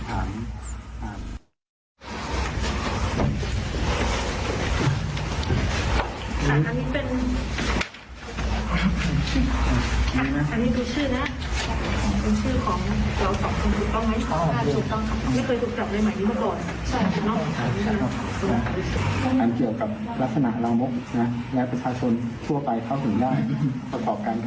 อ่ากับวัตถุหรือของละนก